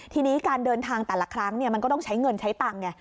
ทีนี้การเดินทางแต่ละครั้งมันก็ต้องใช้เงินใช้ตังค์ไง